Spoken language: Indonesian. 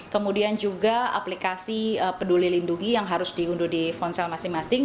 kemudian juga aplikasi peduli lindungi yang harus diunduh di ponsel masing masing